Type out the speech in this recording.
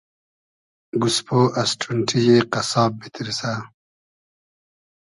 گۉسپۉ از ݖونݖی یی قئسساب میتیرسۂ